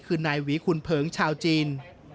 คือนายหวีคุณเผิงชาวจีน